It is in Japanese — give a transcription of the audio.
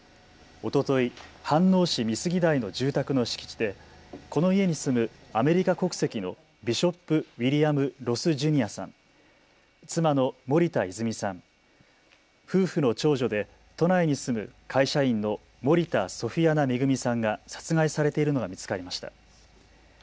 おととい飯能市美杉台の住宅の敷地でこの家に住むアメリカ国籍のビショップ・ウィリアム・ロス・ジュニアさん、妻の森田泉さん、夫婦の長女で都内に住む会社員の森田ソフィアナ恵さんが殺害されているのが見つかりました。